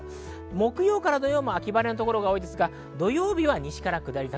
木曜から土曜も秋晴れのところが多いですが、土曜日は西から下り坂。